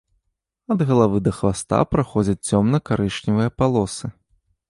Ад галавы да хваста праходзяць цёмна-карычневыя палосы.